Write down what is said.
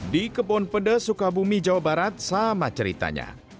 di kebon pede sukabumi jawa barat sama ceritanya